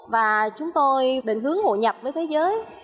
và chúng tôi định hướng ngộ nhập với thế giới